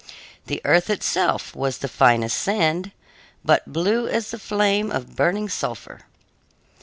The earth itself was the finest sand, but blue as the flame of burning sulphur.